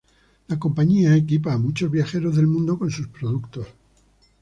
La compañía equipa a muchos viajeros del mundo con sus productos.